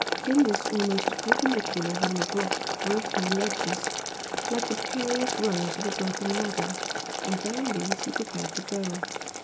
In this almost perpendicular wall of rock were a few ledges, like the precarious rungs of a broken ladder, and down these he prepared to go.